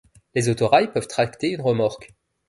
Les autorails peuvent tracter une remorque.